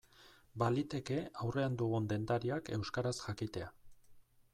Baliteke aurrean dugun dendariak euskaraz jakitea.